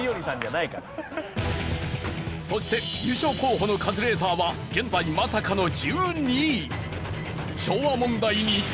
そして優勝候補のカズレーザーは現在まさかの１２位。